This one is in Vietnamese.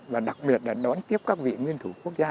và đặc biệt là đón tiếp các vị nguyên thủ quốc gia